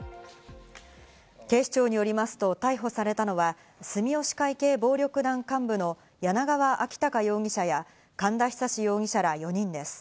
警視庁によりますと、逮捕されたのは住吉会系暴力団幹部の柳川昭隆容疑者や寒田久嗣容疑者ら４人です。